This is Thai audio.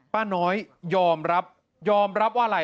ป้าน้อยยอมรับยอมรับว่าอะไร